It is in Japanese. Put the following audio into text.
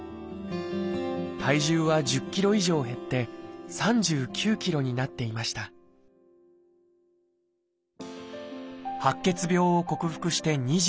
体重は１０ｋｇ以上減って３９ｋｇになっていました白血病を克服して２５年。